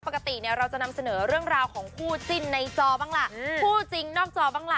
ปกติเนี่ยเราจะนำเสนอเรื่องราวของคู่จิ้นในจอบ้างล่ะคู่จริงนอกจอบ้างล่ะ